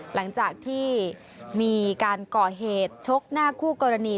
หลังจากที่มีการก่อเหตุชกหน้าคู่กรณี